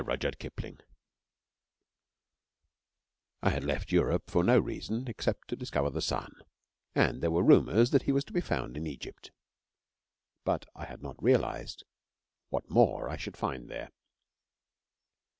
I SEA TRAVEL I had left Europe for no reason except to discover the Sun, and there were rumours that he was to be found in Egypt. But I had not realised what more I should find there.